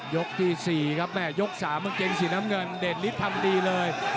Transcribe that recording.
ยกที่๔ครับแม่ยก๓เกงสีน้ำเงินเดนลิสทำดีเลย